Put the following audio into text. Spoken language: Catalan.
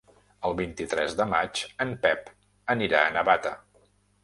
El vint-i-tres de maig en Pep anirà a Navata.